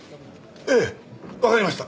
ええわかりました。